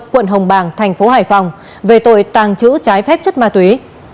quận hồng bàng thành phố hải phòng về tội tàng trữ trái phép chất ma túy